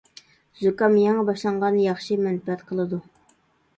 زۇكام يېڭى باشلانغاندا ياخشى مەنپەئەت قىلىدۇ.